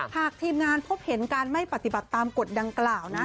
ทีมงานพบเห็นการไม่ปฏิบัติตามกฎดังกล่าวนะ